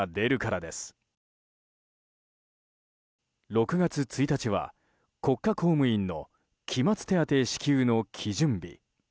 ６月１日は国家公務員の期末手当支給の基準日。